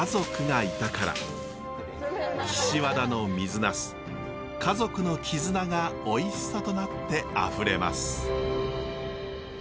岸和田の水ナス家族の絆がおいしさとなってあふれます。